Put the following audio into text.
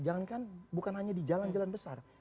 jangan kan bukan hanya di jalan jalan besar